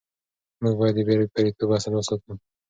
موږ باید د بې پرېتوب اصل وساتو.